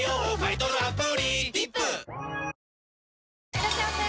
いらっしゃいませ！